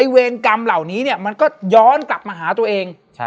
เวรกรรมเหล่านี้มันก็ย้อนกลับมาหาตัวเอง